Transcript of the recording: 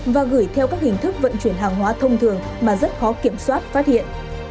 và gửi theo các hình thức vận chuyển hàng hóa thông thường mà rất khó kiểm soát phát hiện